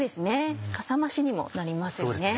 かさ増しにもなりますよね。